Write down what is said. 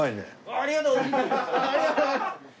ありがとうございます！